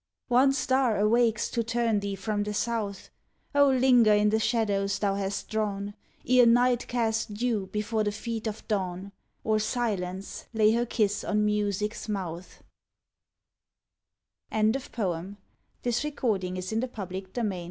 One star awakes to turn thee from the south. Oh, linger in the shadows thou hast drawn, Ere Night cast dew before the feet of Dawn, Or Silence lay her kiss on Music's mouth I 60 THE TIDES OF CHANGE Wherewith is Beauty fas